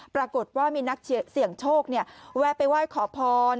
ปรากฏว่ามีนักเสี่ยงโชคแวะไปไหว้ขอพร